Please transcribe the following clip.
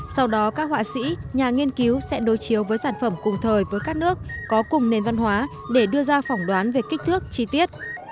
sau đó các họa sĩ nhà nghiên cứu sẽ đối chiếu với sản phẩm cùng thời với các nước có cùng nền văn hóa để đưa ra phỏng đoán về kích thước chi tiết